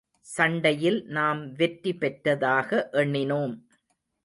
சண்டையில் நாம் வெற்றி பெற்றதாக எண்ணினோம்.